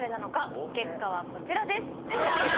結果はこちらです。